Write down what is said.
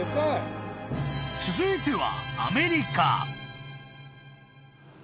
［続いては］